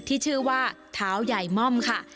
ที่ชื่อว่าเท้าใหญ่ม่อมค่ะ